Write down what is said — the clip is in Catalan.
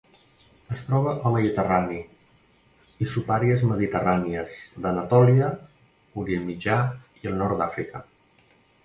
Es troba al mediterrani i subàrees mediterrànies d'Anatòlia, Orient Mitjà i al nord d'Àfrica.